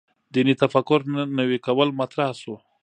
دیني تفکر نوي کول مطرح شو.